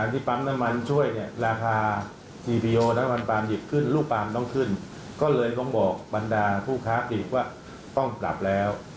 ต้องบอกบรรดาผู้ค้าปลีกว่าต้องปรับแล้ว